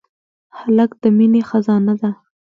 هلک د مینې خزانه ده.